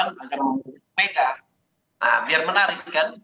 nah biar menarik kan